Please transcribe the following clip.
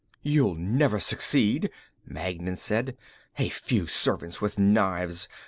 "You'll never succeed," Magnan said. "A few servants with knives!